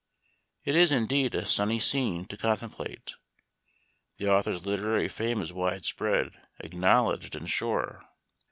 It is, indeed, a sunny scene to contemplate. The author's literary fame is wide spread, ac knowledged, and sure.